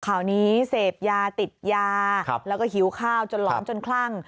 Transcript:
ข่าวนี้เสพยาติดยาแล้วก็หิวข้าวจนหลอนจนคลั่ง